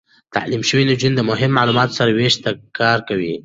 تعليم شوې نجونې د معلوماتو سم وېش ته کار کوي.